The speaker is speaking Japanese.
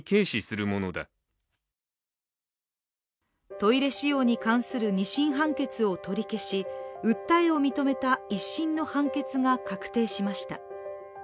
トイレ使用に関する２審判決を取り消し、訴えを認めた１審の判決が確定しました。